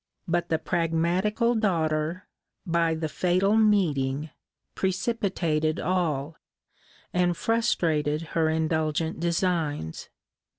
But the pragmatical daughter, by the fatal meeting, precipitated all, and frustrated her indulgent designs.